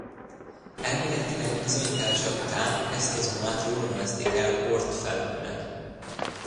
Elméletének bizonyítása után ezt a zónát róla nevezték el Oort-felhőnek.